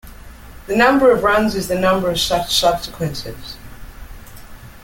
The number of runs is the number of such sub-sequences.